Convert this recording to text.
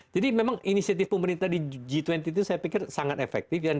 jadi memang inisiatif pemerintah di g dua puluh itu saya pikir sangat efektif